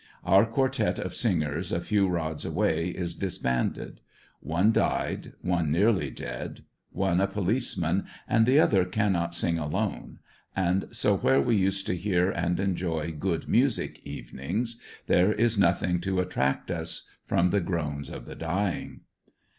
Our quartette of singers a few rods away is disbanded. One died, one nearly dead, one a police man and the other cannot sing alone, and so where we used to hear and enjoy good music evenings, there is nothing to attract us from the groans ot the dying.